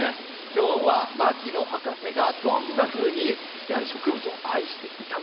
今日は牧野博士がどんなふうにやはり植物を愛していたのか。